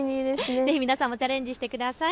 ぜひ皆さんもチャレンジしてください。